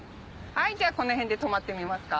じゃあこの辺で止まってみますか。